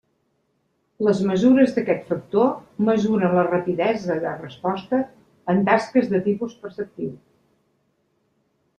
Les mesures d'aquest factor mesuren la rapidesa de resposta en tasques de tipus perceptiu.